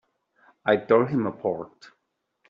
I tore him apart!